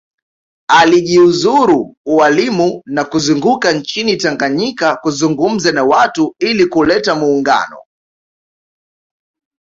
Alijiuzuru ualimu na kuzunguka nchini Tanganyika kuzungumza na watu ili kuleta muungano